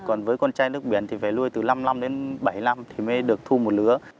còn với con chai nước biển thì phải nuôi từ năm năm đến bảy năm thì mới được thu một lứa